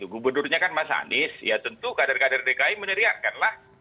gubernurnya kan mas anis ya tentu kader kader dki meneriarkan lah